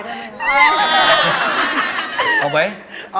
ลูกคุณก็ของไลน์ได้มั้ย